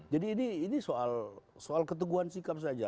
jadi ini soal keteguhan sikap saja